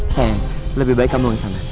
sayang lebih baik kamu ke sana